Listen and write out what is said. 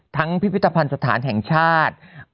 พิพิธภัณฑ์สถานแห่งชาติ